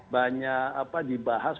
banyak apa dibahas